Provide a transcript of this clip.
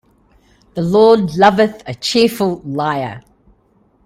The Lord loveth a cheerful liar.